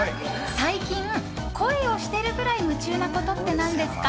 最近、恋をしてるぐらい夢中なことって何ですか？